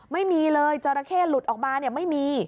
ไม่มีเลยจราเข้หลุดออกมาไม่มี